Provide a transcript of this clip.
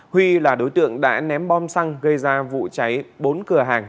huy là đối tượng đã ném bom xăng gây ra vụ cháy bốn cửa hàng